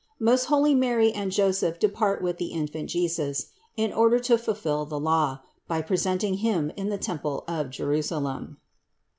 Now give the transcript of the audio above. MOST HOLY MARY AND JOSEPH DEPART WITH THE) IN FANT JESUS, IN ORDER TO FULFILL THE LAW, BY PRESENTING HIM IN THE TEMPLE OF JERUSALEM.